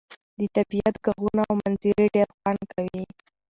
د طبيعت ږغونه او منظرې ډير خوند کوي.